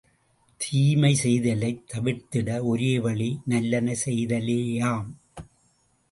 தீமை செய்தலைக் தவிர்த்திட ஒரே வழி நல்லன செய்தலேயாம்.